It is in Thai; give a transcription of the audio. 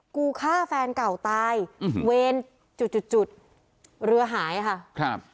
กูฆ่าแฟนเก่าตายเวรเรือหายค่ะ